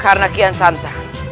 karena kian santa